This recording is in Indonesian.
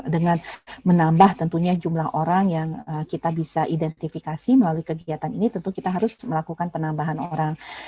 dengan menambah tentunya jumlah orang yang kita bisa identifikasi melalui kegiatan ini tentu kita harus melakukan penambahan orang